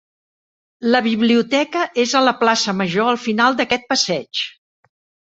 La biblioteca és a la plaça Major, al final d'aquest passeig.